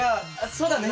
そうだね。